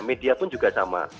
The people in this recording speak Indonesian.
media pun juga sama